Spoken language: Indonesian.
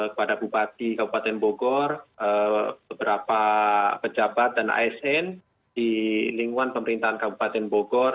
kepada bupati kabupaten bogor beberapa pejabat dan asn di lingkungan pemerintahan kabupaten bogor